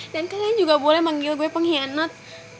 dan kalian juga boleh manggil gue penghianat